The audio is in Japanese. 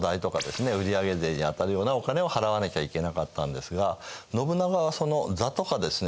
売上税に当たるようなお金を払わなきゃいけなかったんですが信長はその座とかですね